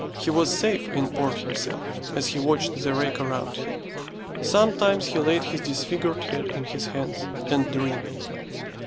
He was safe in port himself, as he watched the wreck around him. Sometimes he laid his disfigured head in his hands and dreamed.